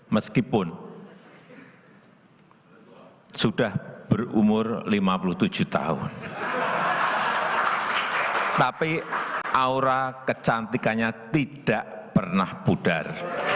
meskipun sudah berumur lima puluh tujuh tahun tapi aura kecantikannya tidak pernah pudar